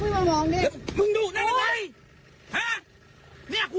อย่ายุ่งไอ้ฮิป